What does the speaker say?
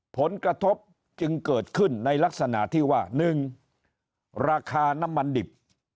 ผลกระทบจึงเกิดขึ้นในลักษณะที่ว่า๑ราคาน้ำมันดิบ